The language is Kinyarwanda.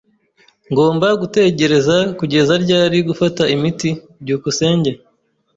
Ngomba gutegereza kugeza ryari gufata imiti? byukusenge